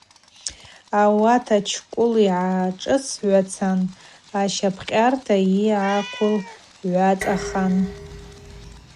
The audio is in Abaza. Ауат Учкъвыл йгӏашӏысгӏвацан, ащапӏкъьарта йгӏаквылгӏвацахын.